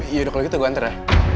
yaudah kalau gitu gue antar ya